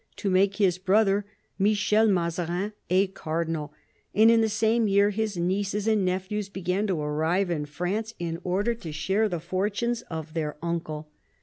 to make his brother, Michel Mazarin, a cardinal, and in the same year his nieces and nephews began to arrive in France in order to share the fortunes of their uncle.